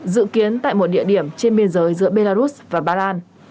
dự kiến tại một địa điểm trên biên giới giữa belarus và ba lan